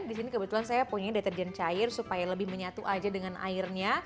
di sini kebetulan saya punya deterjen cair supaya lebih menyatu aja dengan airnya